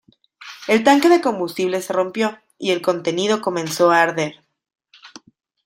El tanque de combustible se rompió y el contenido comenzó a arder.